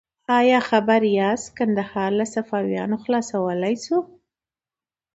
ایا خبر یاست کندهار له صفویانو خلاصول شو؟